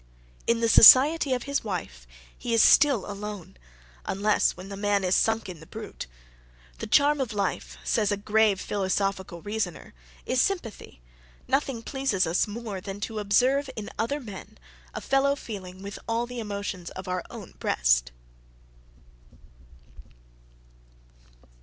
In the society of his wife he is still alone, unless when the man is sunk in the brute. "The charm of life," says a grave philosophical reasoner, is "sympathy; nothing pleases us more than to observe in other men a fellow feeling with all the emotions of our own breast."